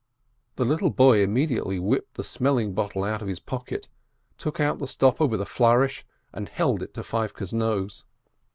The little boy immediately whipped the smelling bottle out of his pocket, took out the stopper with a flourish, and held it to Feivke's nose.